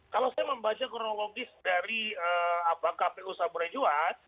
kalau saya membaca kronologis dari kpu saburai jua